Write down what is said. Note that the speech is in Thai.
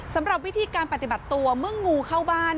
สำหรับวิธีการปฏิบัติตัวเมื่องูเข้าบ้าน